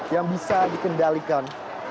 yang bisa dikendalikan